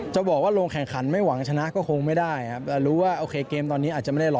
จะบอกว่าลงแข่งขันไม่หวังชนะก็คงไม่ได้ครับแต่รู้ว่าโอเคเกมตอนนี้อาจจะไม่ได้รอ